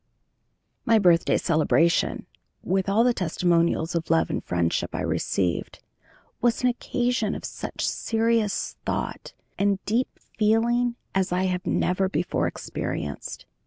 My birthday celebration, with all the testimonials of love and friendship I received, was an occasion of such serious thought and deep feeling as I had never before experienced.